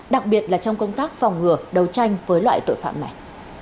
đặc biệt là trong công tác phòng ngừa đấu tranh với loại tội phạm này